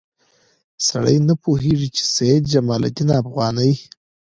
سړی نه پوهېږي چې سید جمال الدین افغاني.